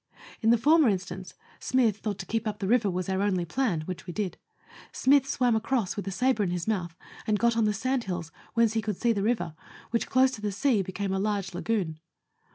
In the former instance Smyth thought to keep up the river was our only plan, which we did. Smyth swam across with a sabre in his mouth, and got on the sand hills, whence he could see the river, which close to the sea became a large lagoon.